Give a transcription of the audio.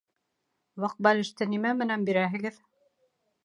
Ваҡ бәлеште нимә менән бирәһегеҙ?